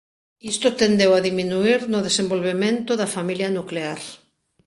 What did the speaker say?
Isto tendeu a diminuír no desenvolvemento da familia nuclear.